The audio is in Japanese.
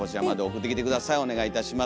お願いいたします。